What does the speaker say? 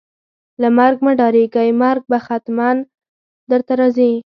له مرګ مه ډاریږئ ، مرګ به ختمن درته راځي